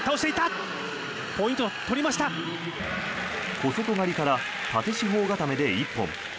小外刈りから縦四方固めで一本。